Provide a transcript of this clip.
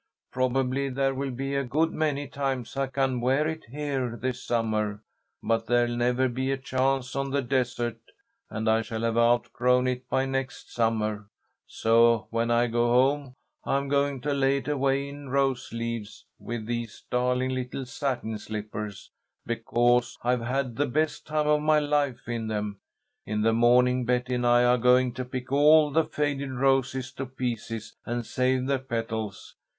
"Probably there'll be a good many times I can wear it here this summer, but there'll never be a chance on the desert, and I shall have outgrown it by next summer, so when I go home I'm going to lay it away in rose leaves with these darling little satin slippers, because I've had the best time of my life in them. In the morning Betty and I are going to pick all the faded roses to pieces and save the petals.